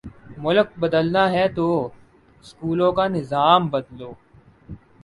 ملک بدلنا ہے تو سکولوں کا نظام بدلو۔